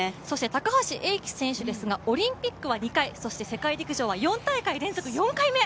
高橋英輝選手ですがオリンピックは２回そして世界陸上は４大会連続４回目。